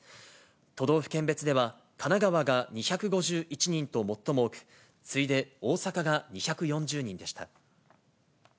都道府県別では、神奈川が２５１人と最も多く、次いで大阪が２４０人でした。